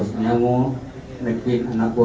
saya ingin menekan anakmu